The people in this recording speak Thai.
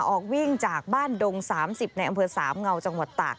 ออกวิ่งจากบ้านดง๓๐ในอำเภอสามเงาจังหวัดตาก